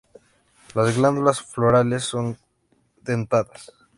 Las glándulas florales son dentadas.